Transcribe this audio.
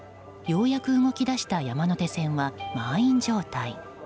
ようやく動き出した山手線は満員状態。